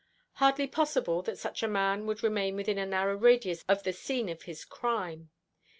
Hardly possible that such a man would remain within a narrow radius of the scene of his crime.